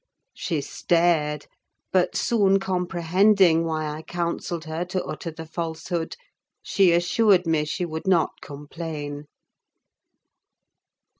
She stared, but soon comprehending why I counselled her to utter the falsehood, she assured me she would not complain.